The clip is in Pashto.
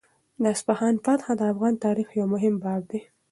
د اصفهان فتحه د افغان تاریخ یو مهم باب دی.